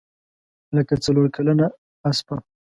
لکه څلورکلنه اسپه.